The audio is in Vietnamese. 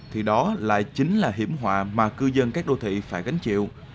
thì đó lại chính là hiểm họa mà cư dân các đô thị phải gánh chịu